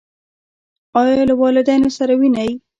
ایا له والدینو سره وینئ؟